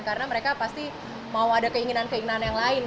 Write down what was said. karena mereka pasti mau ada keinginan keinginan yang lain